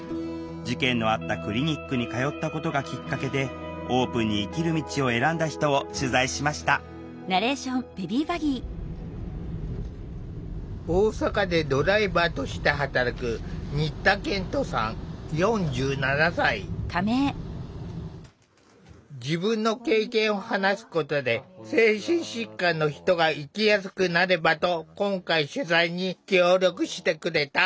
事件のあったクリニックに通ったことがきっかけでオープンに生きる道を選んだ人を取材しました大阪でドライバーとして働く自分の経験を話すことで精神疾患の人が生きやすくなればと今回取材に協力してくれた。